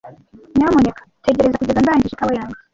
Nyamuneka tegereza kugeza ndangije ikawa yanjye.